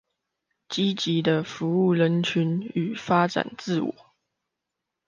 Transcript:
積極的服務人群與發展自我